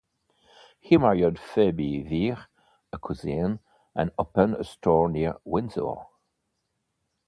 He married Phoebe Wier, a cousin, and opened a store near Windsor.